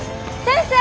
先生！